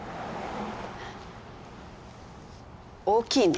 大きいね。